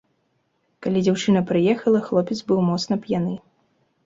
Калі дзяўчына прыехала, хлопец быў моцна п'яны.